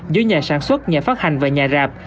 giữa nhà sản xuất nhà phát hành và nhà rạp